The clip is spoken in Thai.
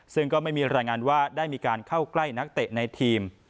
ซึ่งก็ไม่มีรายงานว่าได้มีการเข้าใกล้นักเตะในทีม